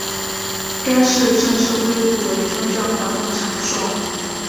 该寺正式恢复为宗教活动场所。